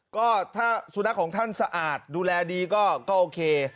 ก็ถ้าสุนัขของท่านสะอาดดูแลดีก็โอเค